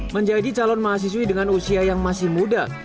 menjadi calon mahasiswi dengan usia yang masih muda